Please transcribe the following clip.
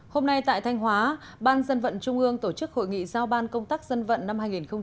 hôm nay tại thanh hóa ban dân vận trung ương tổ chức hội nghị giao ban công tác dân vận năm hai nghìn một mươi chín